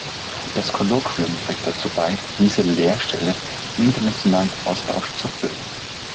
Das Kolloquium trägt dazu bei, diese Leerstelle im internationalen Austausch zu füllen.